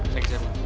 thanks ya mon